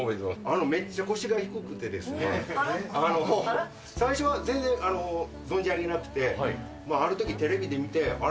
めっちゃ腰が低くてですね、最初は全然存じ上げなくて、あるとき、テレビで見て、あれ？